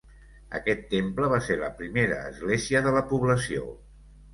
Aquest temple va ser la primera església de la població.